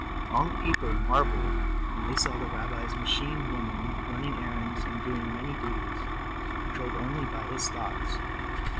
All the people marveled when they saw the rabbi's machine woman running errands and doing many duties, controlled only by his thoughts.